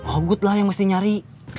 oh good lah yang mesti nyari